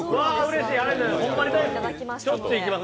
うれしい、ありがとうございます。